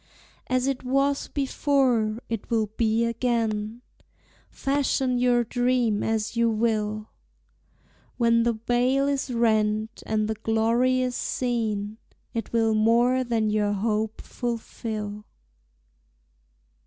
As it was before, it will be again, Fashion your dream as you will; When the veil is rent, and the glory is seen, It will more than your hope fulfil.